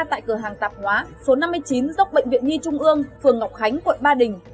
tại cửa hàng tạp hóa số năm mươi chín dốc bệnh viện nhi trung ương phường ngọc khánh quận ba đình